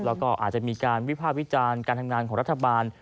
แล้วก็อาจจะมีการวิภาควิจารณ์การทำงานของรัฐบาล